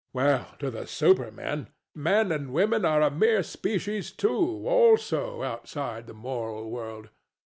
Well, to the Superman, men and women are a mere species too, also outside the moral world.